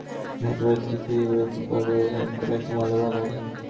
কিন্তু হোটেলটির ঠিক বিপরীতে ফুটপাতের ওপর রয়েছে খোলা একটি ময়লার ভাগাড়।